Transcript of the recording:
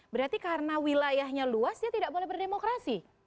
berarti karena wilayahnya luas dia tidak boleh berdemokrasi